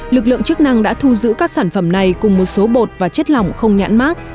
lực lượng chức năng đã thu giữ các sản phẩm này cùng một số bột và chất lỏng không nhãn mát